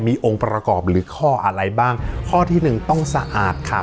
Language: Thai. มีองค์ประกอบหรือข้ออะไรบ้างข้อที่หนึ่งต้องสะอาดค่ะ